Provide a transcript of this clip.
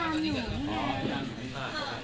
ได้ได้เลย